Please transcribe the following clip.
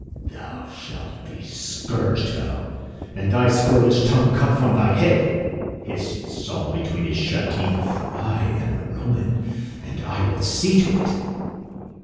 "Thou shalt be scourged, fellow, and thy scurrilous tongue cut from thy head," hissed Saul between his shut teeth. "I am a Roman, and I will see to it."